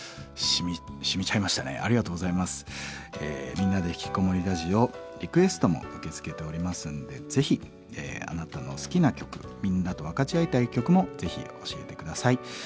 「みんなでひきこもりラジオ」リクエストも受け付けておりますんでぜひあなたの好きな曲みんなと分かち合いたい曲もぜひ教えて下さい。